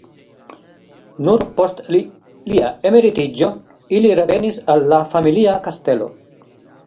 Nur post lia emeritiĝo ili revenis al la familia kastelo.